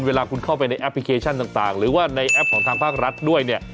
เวลาคุณเข้าไปในแอปพลิเคชันต่างหรือว่าในแอปของทางภาครัฐด้วยเนี่ย